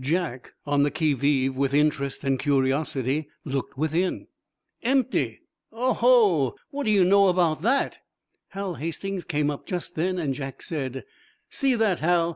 Jack, on the qui vive with interest and curiosity, looked within. "Empty, oh ho! What do you know about that!" Hal Hastings came up just then and Jack said: "See that, Hal?